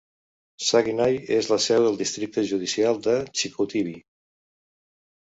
Saguenay és la seu del districte judicial de Chicoutimi.